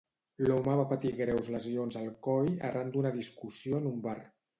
L'home va patir greus lesions al coll arran d'una discussió en un bar.